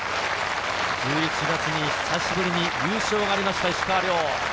１１月に久しぶりに優勝がありました、石川遼。